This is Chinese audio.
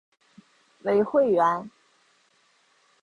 为会员。